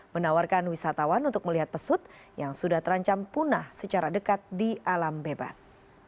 menawarkan wisatawan untuk melihat pesut yang sudah terancam punah secara dekat di alam bebas